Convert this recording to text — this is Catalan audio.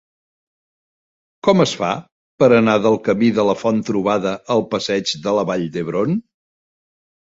Com es fa per anar del camí de la Font-trobada al passeig de la Vall d'Hebron?